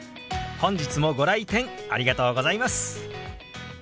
本日もご来店ありがとうございます。